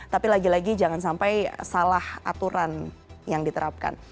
tapi lagi lagi jangan sampai salah aturan yang diterapkan